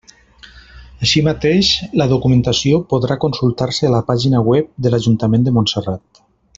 Així mateix, la documentació podrà consultar-se a la pàgina web de l'Ajuntament de Montserrat.